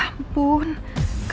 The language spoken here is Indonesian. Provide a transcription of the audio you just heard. hal ini dulu tinggal